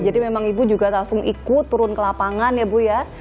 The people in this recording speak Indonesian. jadi memang ibu juga langsung ikut turun ke lapangan ya bu ya